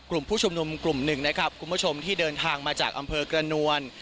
กลุ่มผู้ชุมนุมกลุ่มหนึ่งนะครับคุณผู้ชมที่เดินทางมาจากอำเภอกระนวล